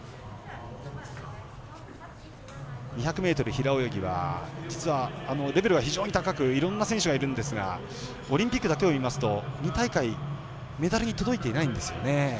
２００ｍ平泳ぎは実はレベルは非常に高くいろんな選手がいるんですがオリンピックだけでいいますと２大会メダルに届いていないんですよね。